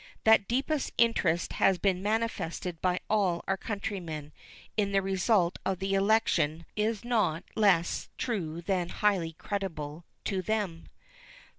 That the deepest interest has been manifested by all our countrymen in the result of the election is not less true than highly creditable to them.